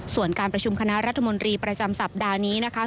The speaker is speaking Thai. ส่วนการประชุมคณะรัฐมนตรีประจำสัปดาห์นี้นะคะ